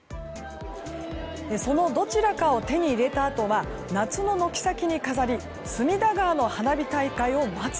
そのどちらかを手に入れたあとは夏の軒先に飾り隅田川の花火大会を待つ。